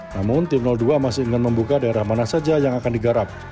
namun tim dua masih ingin membuka daerah mana saja yang akan digarap